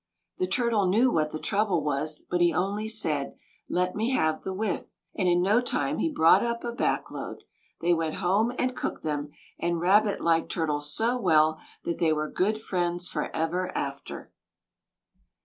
The Turtle knew what the trouble was; but he only said: "Let me have the withe;" and in no time he brought up a back load. They went home and cooked them; and Rabbit liked Turtle so well that they were good friends forever after.